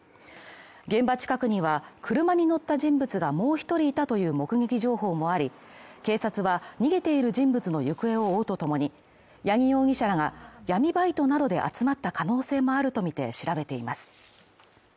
現場近くには車に乗った人物がもう１人いたという目撃情報もあり、警察は逃げている人物の行方を追うとともに、八木容疑者らが闇バイトなどで集まった可能性もあるとみて調べています。